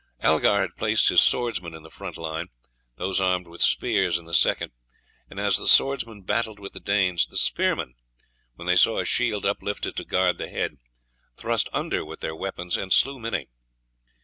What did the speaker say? Algar had placed his swordsmen in the front line, those armed with spears in the second; and as the swordsmen battled with the Danes the spearmen, when they saw a shield uplifted to guard the head, thrust under with their weapons and slew many.